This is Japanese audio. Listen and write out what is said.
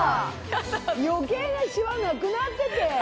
余計なシワなくなってて。